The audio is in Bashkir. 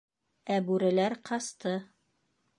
Ә бүреләр ҡасты...